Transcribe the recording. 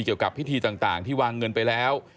เกี่ยวกับพิธีต่างที่วางเงินไปแล้ว